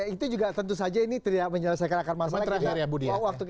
itu juga tentu saja ini tidak menyelesaikan akar masalahnya